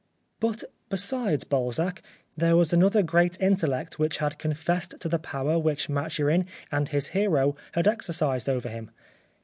But besides Balzac there was another great intellect which had confessed to the power which Maturin and his hero had exercised over him.